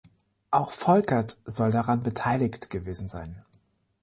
Auch Volkert soll daran beteiligt gewesen sein.